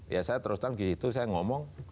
ya saya teruskan di situ saya ngomong